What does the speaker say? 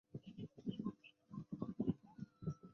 道光二十九年十二月十二日巳时崩。